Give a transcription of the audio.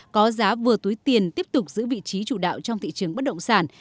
có giá vừa túi tiền tiếp tục giữ vị trí chủ đạo trong thị trường bất động sản